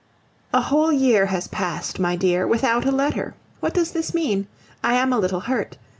A whole year passed, my dear, without a letter! What does this mean? I am a little hurt.